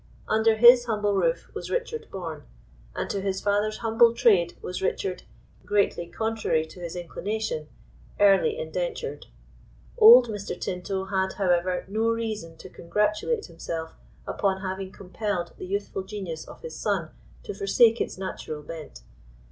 Under his humble roof was Richard born, and to his father's humble trade was Richard, greatly contrary to his inclination, early indentured. Old Mr. Tinto had, however, no reason to congratulate himself upon having compelled the youthful genius of his son to forsake its natural bent.